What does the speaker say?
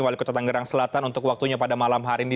wali kota tanggerang selatan untuk waktunya pada malam hari ini